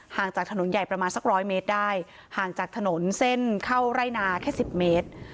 จากถนนใหญ่ประมาณสักร้อยเมตรได้ห่างจากถนนเส้นเข้าไร่นาแค่สิบเมตร